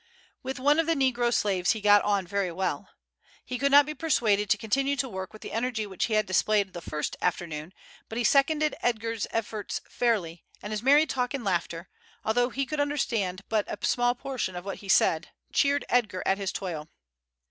With one of the negro slaves he got on very well. He could not be persuaded to continue to work with the energy which he had displayed the first afternoon, but he seconded Edgar's efforts fairly, and his merry talk and laughter, although he could understand but a small portion of what he said, cheered Edgar at his toil.